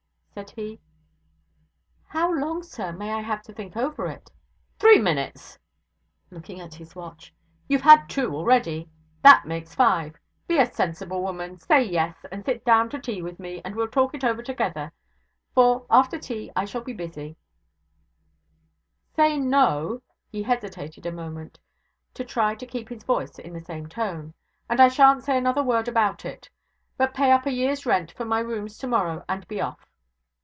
said he. 'How long, sir, may I have to think over it?' 'Three minutes!' (looking at his watch). 'You've had two already that makes five. Be a sensible woman, say Yes, and sit down to tea with me, and we'll talk it over together; for, after tea, I shall be busy; say No' (he hesitated a moment to try and keep his voice in the same tone), 'and I shan't say another word about it, but pay up a year's rent for my rooms tomorrow, and be off.